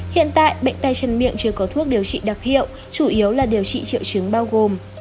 hiện tại bệnh tay chân miệng chưa có thuốc điều trị đặc hiệu chủ yếu là điều trị triệu chứng bao gồm